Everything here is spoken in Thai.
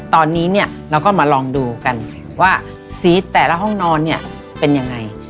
ตอนนี้เราก็มาลองดูกันว่าสีแต่ละห้องนอนเป็นยังไง